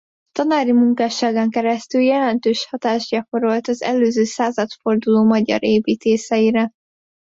Tanári munkásságán keresztül jelentős hatást gyakorolt az előző századforduló magyar építészeire.